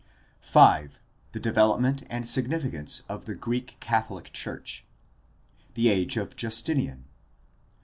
V. THE DEVELOPMENT AND SIGNIFICANCE OF THE GREEK CATHOLIC CHURCH The age of Justinian.